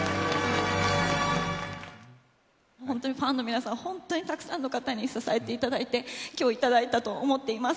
ホントにファンの皆さん、ホントにたくさんの皆さんに支えていただいて、今日いただいたと思っています。